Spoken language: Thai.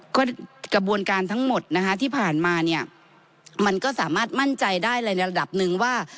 ก็กระบวนการทั้งหมดนะคะที่ผ่านมาเนี่ยมันก็สามารถมั่นใจได้ในระดับหนึ่งว่า